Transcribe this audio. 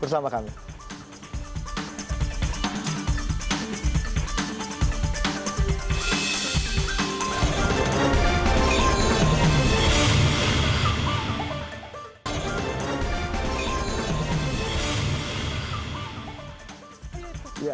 terima kasih pak presiden